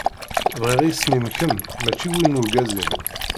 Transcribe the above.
Bɣiɣ isem-im kemm mačči win n urgaz-im.